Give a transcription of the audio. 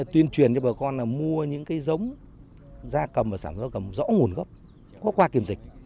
tuyên truyền cho bà con là mua những cái giống da cầm và sản gia cầm rõ nguồn gốc có qua kiểm dịch